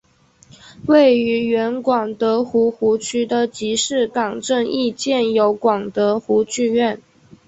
位于原广德湖湖区的集士港镇亦建有广德湖剧院。